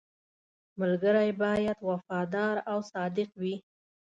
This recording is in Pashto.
• ملګری باید وفادار او صادق وي.